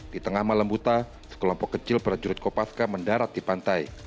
di tengah malam buta sekelompok kecil prajurit kopaska mendarat di pantai